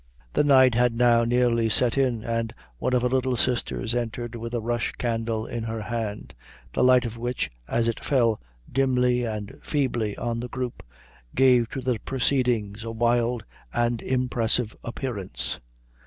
The night had now nearly set in, and one of her little sisters entered with a rush candle in her hand, the light of which, as it fell dimly and feebly on the group, gave to the proceedings a wild and impressive appearance.